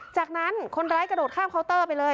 จากนั้นคนร้ายกระโดดข้ามเคาน์เตอร์ไปเลย